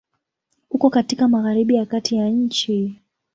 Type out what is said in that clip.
Uko katika Magharibi ya kati ya nchi.